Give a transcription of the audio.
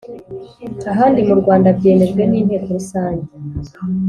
ahandi mu Rwanda byemejwe n Inteko rusange